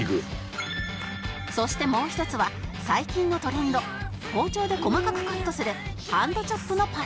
そしてもう一つは最近のトレンド包丁で細かくカットするハンドチョップのパティ